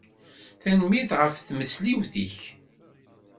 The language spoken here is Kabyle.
Tanemmirt ɣef tmesliwt-ik.